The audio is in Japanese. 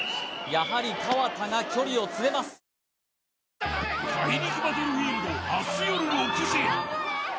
やはり河田が距離を詰めますねえ‼